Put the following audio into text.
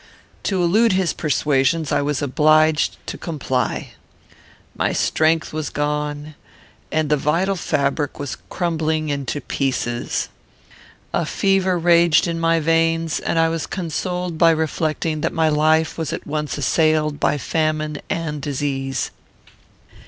To elude his persuasions I was obliged to comply. My strength was gone, and the vital fabric was crumbling into pieces. A fever raged in my veins, and I was consoled by reflecting that my life was at once assailed by famine and disease.